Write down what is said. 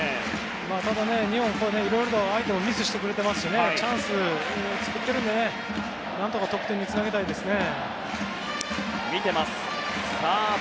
日本は相手もミスしてくれていますしチャンスを作っているのでね何とか得点につなげたいですね。